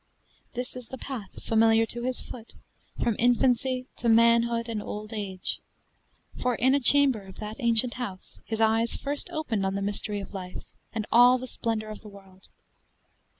This is the path familiar to his foot From infancy to manhood and old age; For in a chamber of that ancient house His eyes first opened on the mystery Of life, and all the splendor of the world.